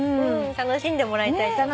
楽しんでもらいたい。